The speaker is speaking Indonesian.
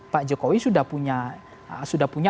pak jokowi sudah punya